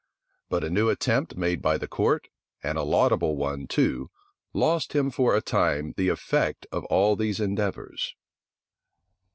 But a new attempt made by the court, and a laudable one, too, lost him for a time the effect of all these endeavors.